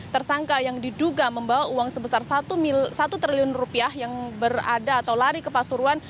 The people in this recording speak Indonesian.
tersangka yang diduga membawa uang sebesar satu triliun rupiah yang berada atau lari ke pasuruan